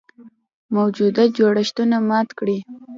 موجوده جوړښتونه مات کړي.